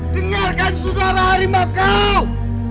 dengarkan saudara harimau kau